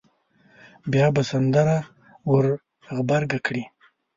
بیا به سندره ور غبرګه کړي.